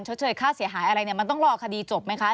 ชดเชยค่าเสียหายอะไรเนี่ยมันต้องรอคดีจบไหมคะ